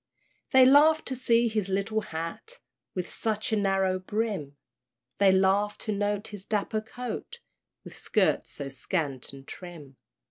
They laughed to see his little hat, With such a narrow brim; They laughed to note his dapper coat, With skirts so scant and trim.